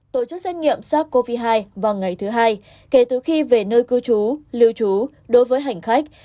tạm sát covid một mươi chín vào ngày thứ hai kể từ khi về nơi cư trú lưu trú đối với hành khách